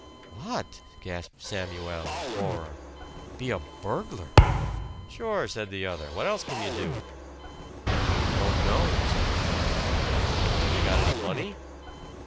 "What!" gasped Samuel in horror. "Be a burglar!" "Sure," said the other. "What else can you do?" "I don't know," said the boy. "Have you got any money?"